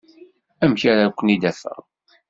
Amek ara ken-id-afeɣ?